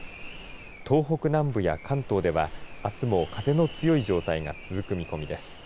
東北南部や関東ではあすも風の強い状態が続く見込みです。